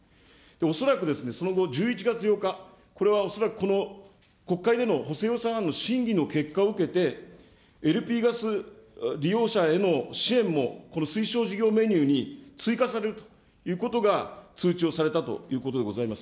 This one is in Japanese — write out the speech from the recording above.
恐らくその後、１１月８日、これは恐らくこの国会での補正予算案の審議の結果を受けて、ＬＰガス利用者への支援も、この推奨事業メニューに追加されるということが、通知をされたということでございます。